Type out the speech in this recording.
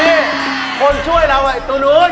นี่คนช่วยเราอ่ะตัวนู้น